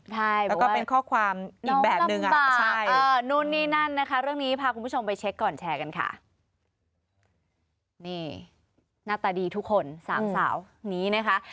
ใช่เพราะว่าน้องกำบากแล้วก็เป็นข้อความอีกแบบนึงอะใช่เออนู่นนี่นั่นนะคะ